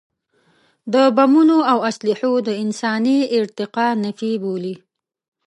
د بمونو او اسلحو د انساني ارتقا نفي بولي.